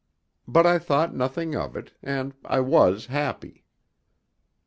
But I thought nothing of it, and I was happy.